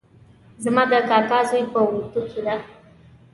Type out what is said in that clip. زما د کاکا زوی په اردو کې ده